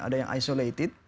ada yang isolated